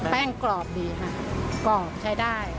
กรอบดีค่ะกรอบใช้ได้